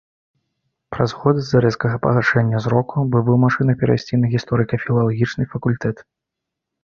Праз год з-за рэзкага пагаршэння зроку быў вымушаны перайсці на гісторыка-філалагічны факультэт.